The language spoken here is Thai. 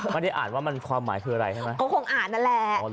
ไม่ได้อ่านว่ามันความหมายคืออะไรใช่ไหมก็คงอ่านนั่นแหละ